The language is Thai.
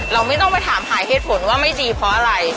เราไม่ต้องไปถามหาเหตุผลว่าไม่ดีเพราะอะไร